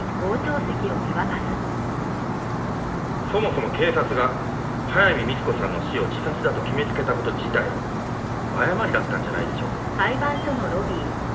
そもそも警察が早見幹子さんの死を自殺だと決めつけた事自体誤りだったんじゃないでしょうか。